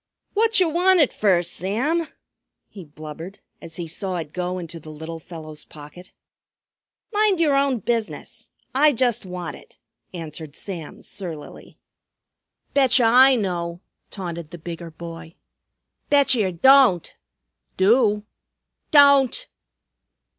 "Whatcher want it fer, Sam?" he blubbered as he saw it go into the little fellow's pocket. "Mind yer own business! I just want it," answered Sam surlily. "Betcher I know," taunted the bigger boy. "Betcher yer don't." "Do!" "Don't!"